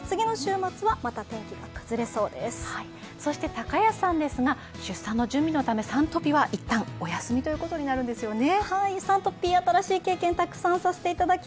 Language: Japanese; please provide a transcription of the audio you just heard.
高安さんですが出産の準備のため「Ｓｕｎトピ」は一旦お休みということになるんですよね。